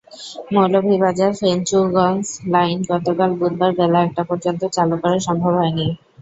Moulvibazar-Fenchuganj line গতকাল বুধবার বেলা একটা পর্যন্ত চালু করা সম্ভব হয়নি।